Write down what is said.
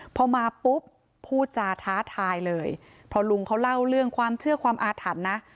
พอมาปุ๊บพูดจาท้าทายเลยพอลุงเขาเล่าเรื่องความเชื่อความอาถรรพ์นะ